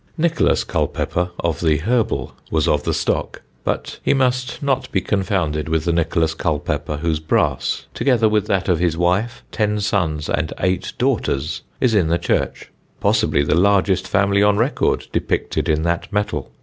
Nicholas Culpeper of the Herbal was of the stock; but he must not be confounded with the Nicholas Culpeper whose brass, together with that of his wife, ten sons and eight daughters, is in the church, possibly the largest family on record depicted in that metal.